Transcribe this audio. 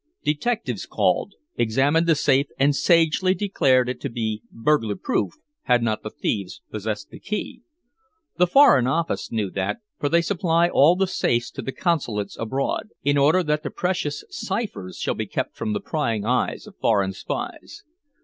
Detectives called, examined the safe, and sagely declared it to be burglar proof, had not the thieves possessed the key. The Foreign Office knew that, for they supply all the safes to the Consulates abroad, in order that the precious ciphers shall be kept from the prying eyes of foreign spies.